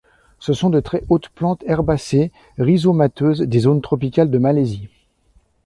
Ce sont de très grandes plantes herbacées rhizomateuses des zones tropicales de Malaisie.